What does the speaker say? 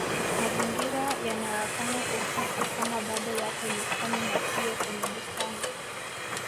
mazingira yanawafanya kuhisi Kama bado wako nyikani na siyo kwenye bustani